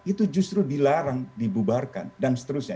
itu justru dilarang dibubarkan dan seterusnya